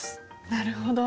なるほど。